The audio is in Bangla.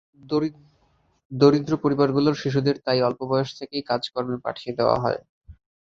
দরিদ্র পরিবারগুলোর শিশুদের তাই অল্প বয়স থেকেই কাজকর্মে পাঠিয়ে দেওয়া হয়।